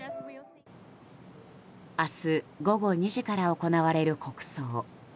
明日午後２時から行われる国葬。